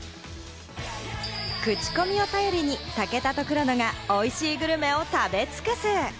クチコミを頼りに武田と黒田が美味しいグルメを食べ尽くす！